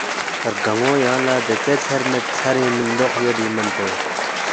رگانو یانگ نہ دیژے ژھیر مید ژھرینگ میندوق یودی من پو